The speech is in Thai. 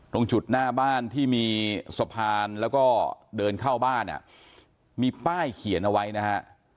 ตรงจุดหน้าบ้านที่มีสะพานแล้วก็เดินเข้าบ้านอ่ะมีป้ายเขียนเอาไว้นะฮะ